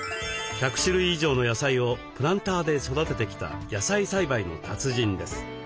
１００種類以上の野菜をプランターで育ててきた野菜栽培の達人です。